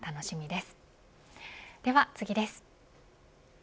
では次です。